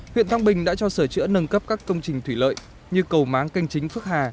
huyện thăng bình đã cho sửa chữa nâng cấp các công trình thủy lợi như cầu máng canh chính phước hà